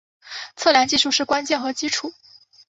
测量技术是关键和基础。